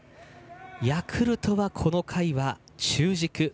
ヤクルトはこの回は中軸。